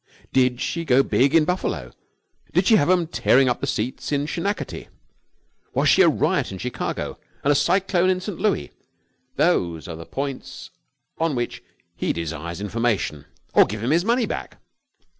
Did she go big in Buffalo? Did she have 'em tearing up the seats in Schenectady? Was she a riot in Chicago and a cyclone in St. Louis? Those are the points on which he desires information, or give him his money back.